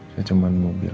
saya cuma berpikir